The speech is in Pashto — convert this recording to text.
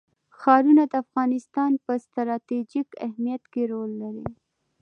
ښارونه د افغانستان په ستراتیژیک اهمیت کې رول لري.